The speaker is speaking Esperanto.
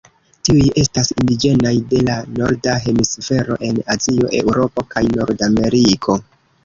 Tiuj estas indiĝenaj de la Norda Hemisfero en Azio, Eŭropo kaj Nordameriko.